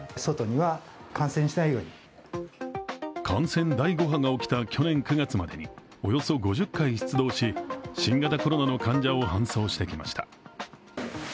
感染第５波が起きた去年９月までにおよそ５０回出動し、新型コロナの患者を搬送してきました。